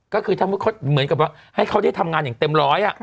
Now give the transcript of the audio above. ก็คือถ้าเหมือนกับว่าให้เขาได้ทำงานอย่างเต็มร้อย